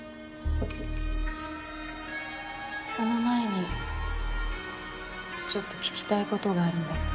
その前にちょっと聞きたいことがあるんだけど。